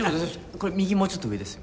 これ右もうちょっと上ですよ。